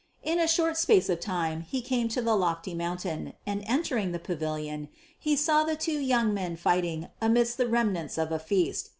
In a short space of time he came to the lofty mountain, and entering the pavilion saw the two young men fighting amidst the remnants of a feast.